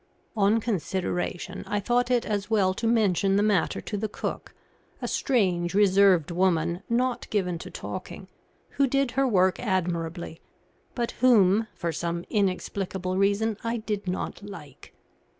On consideration, I thought it as well to mention the matter to the cook, a strange, reserved woman, not given to talking, who did her work admirably, but whom, for some inexplicable reason, I did not like.